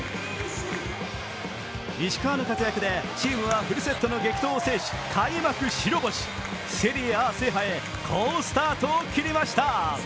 石川の活躍でチームはフルセットの激闘を制し、開幕白星、セリエＡ制覇へ好スタートを切りました。